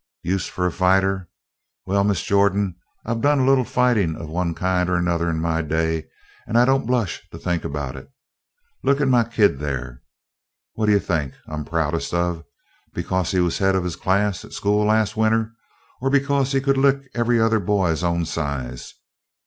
Use for a fighter? Well, Miss Jordan, I've done a little fighting of one kind and another in my day and I don't blush to think about it. Look at my kid there. What do you think I'm proudest of: because he was head of his class at school last winter or because he could lick every other boy his own size?